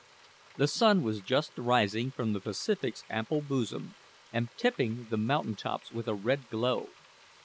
The sun was just rising from the Pacific's ample bosom, and tipping the mountain tops with a red glow.